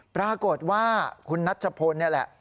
ปรากฏว่าคุณนัชพลนี่แหละ